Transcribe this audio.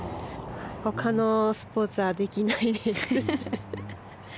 ほかのスポーツはできないです。